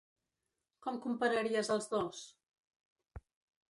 Com compararies els dos?